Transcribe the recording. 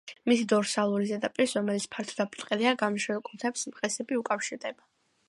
მისი დორსალურ ზედაპირს, რომელიც ფართო და ბრტყელია, გამშლელი კუნთების მყესები უკავშირდება.